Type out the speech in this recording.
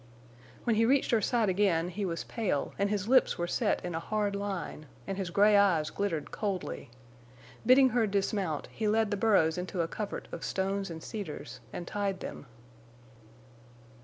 When he reached her side again he was pale, and his lips were set in a hard line, and his gray eyes glittered coldly. Bidding her dismount, he led the burros into a covert of stones and cedars, and tied them.